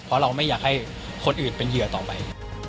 เพราะเราไม่อยากให้คนอื่นเป็นเหยื่อต่อไป